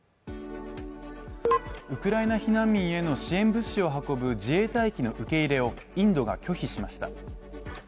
ウクライナ避難民への支援物資を運ぶ自衛隊機の受け入れを、インドが拒否しました。